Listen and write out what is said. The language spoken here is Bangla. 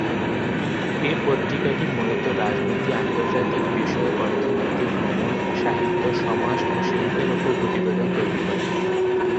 এ পত্রিকাটি মূলত রাজনীতি, আন্তর্জাতিক বিষয়ক, অর্থনীতি, ভ্রমণ, সাহিত্য, সমাজ ও শিল্পের উপর প্রতিবেদন তৈরি করে।